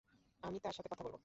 আমি তার সাথে কথা বলবো।